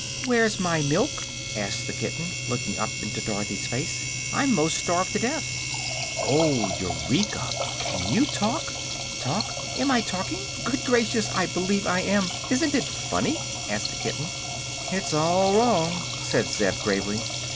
"Where's my milk?" asked the kitten, looking up into Dorothy's face. "I'm 'most starved to death." "Oh, Eureka! Can you talk?" "Talk! Am I talking? Good gracious, I believe I am. Isn't it funny?" asked the kitten. "It's all wrong," said Zeb, gravely.